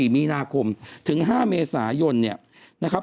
๑๔มีนาคมถึง๕เมษายนนะครับ